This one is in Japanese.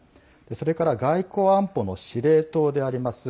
それから外交安保の司令塔であります